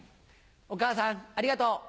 お母さんありがとう。